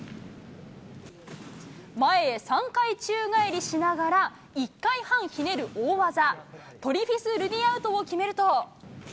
前へ３回宙返りしながら、１回半ひねる大技、トリフィスルディアウトを決めると。